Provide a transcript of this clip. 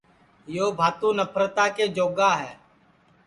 یو بھاتو نپھرتا کے جوگا ہے